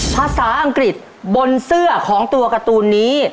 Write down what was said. ภาษาอังกฤษบนเสื้อของตัวการ์ตูนนี้